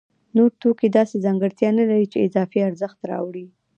نور توکي داسې ځانګړتیا نلري چې اضافي ارزښت راوړي